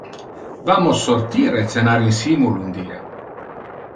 Vamos sortir e cenar insimul un die.